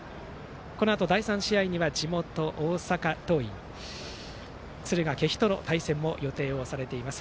このあと第３試合には地元・大阪桐蔭敦賀気比との対戦も予定されています。